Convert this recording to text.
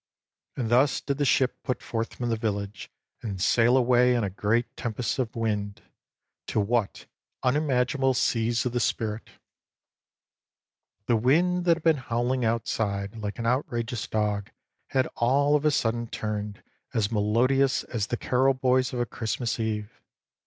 And thus did the ship put forth from the village and sail away in a great tempest of wind to what unimaginable seas of the spirit I The wind that had been howling outside like an outrageous dog had all of a sudden turned as melodious as the carol boys of a Christmas Eve.